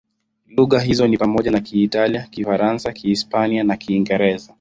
Lugha hizo ni pamoja na Kiitalia, Kifaransa, Kihispania na Kiingereza.